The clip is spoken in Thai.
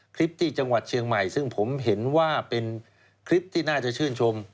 คลิปที่จังหวัดเชียงใหม่ซึ่งผมเห็นว่าเป็นคลิปที่น่าจะชื่นชม